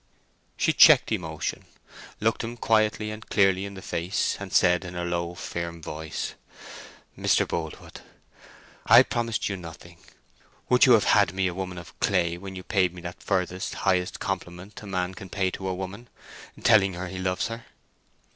She checked emotion, looked him quietly and clearly in the face, and said in her low, firm voice, "Mr. Boldwood, I promised you nothing. Would you have had me a woman of clay when you paid me that furthest, highest compliment a man can pay a woman—telling her he loves her?